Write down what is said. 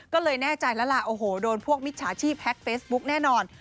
ก็เลยแน่ใจแล้วล่ะโอ้โหโดนพวกมิจฉาชีพแฮ็กเฟซบุ๊กแน่นอน